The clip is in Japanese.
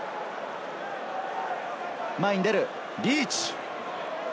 前に出るリーチ。